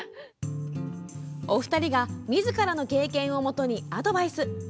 お二人が、みずからの経験を基にアドバイス。